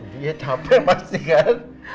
dia capek pasti kan